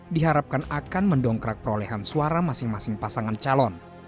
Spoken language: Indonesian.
diharapkan akan mendongkrak perolehan suara masing masing pasangan calon